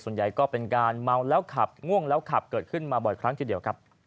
ส่วนใหญ่ก็เป็นการเมาแล้วขับง่วงแล้วขับเกิดขึ้นมาบ่อยครั้งทีเดียวครับ